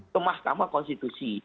ke mahkamah konstitusi